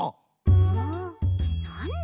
んなんだ